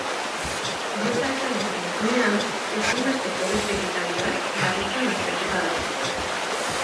Blusa eta nesken egunean, ezinbesteko beste ekitaldi bat barriken lasterketa da.